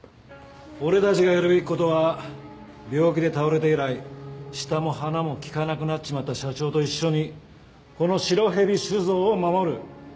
俺たちがやるべきことは病気で倒れて以来舌も鼻も利かなくなっちまった社長と一緒にこの白蛇酒造を守る。